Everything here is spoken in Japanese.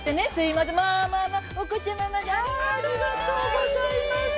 まあまあ、ありがとうございます。